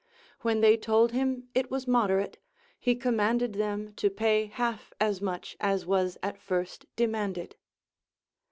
When they told him it was moderate, he commanded them to pay half as much as was at first demanded.